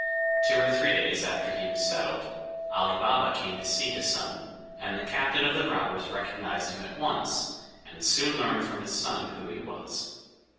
Two or three days after he was settled, Ali Baba came to see his son, and the captain of the robbers recognized him at once, and soon learned from his son who he was.